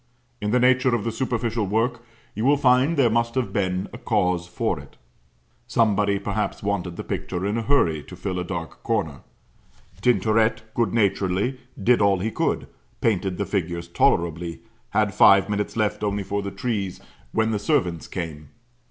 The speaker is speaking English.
In the nature of the superficial work you will find there must have been a cause for it. Somebody perhaps wanted the picture in a hurry to fill a dark corner. Tintoret good naturedly did all he could painted the figures tolerably had five minutes left only for the trees, when the servant came.